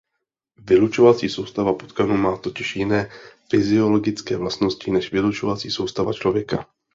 Vylučovací soustava potkanů má totiž jiné fyziologické vlastnosti než vylučovací soustavy člověka.